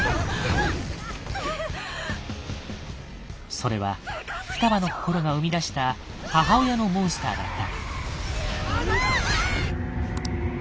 それは双葉の心が生み出した母親のモンスターだった。